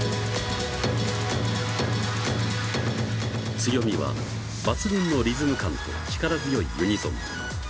強みは抜群のリズム感と力強いユニゾン。